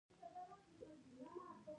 ما انیلا ته مخکې له مخکې خبرداری ورکړی و